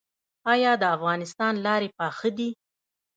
آیا د افغانستان لارې پاخه دي؟